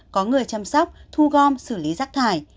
có người chăm sóc thu gom xử lý rác thải